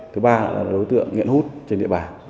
thứ ba là đối tượng nghiện hút trên địa bàn